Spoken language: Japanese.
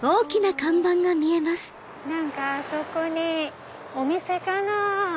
ねぇ何かあそこにお店かなぁ。